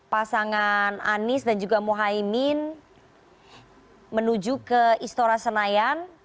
pasangan anies dan juga mohaimin menuju ke istora senayan